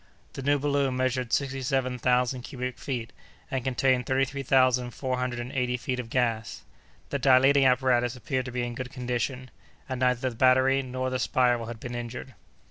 The new balloon measured sixty seven thousand cubic feet, and contained thirty three thousand four hundred and eighty feet of gas. The dilating apparatus appeared to be in good condition, and neither the battery nor the spiral had been injured.